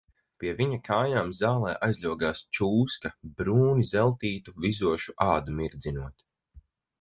Pie viņa kājām zālē aizļogās čūska brūni zeltītu, vizošu ādu mirdzinot.